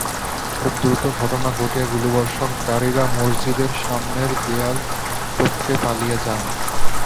খুব দ্রুত ঘটনা ঘটিয়ে গুলিবর্ষণকারীরা মসজিদের সামনের দেয়াল টপকে পালিয়ে যান।